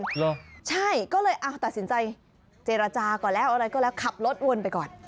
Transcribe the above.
เหรอใช่ก็เลยเอาตัดสินใจเจรจาก่อนแล้วอะไรก็แล้วขับรถวนไปก่อน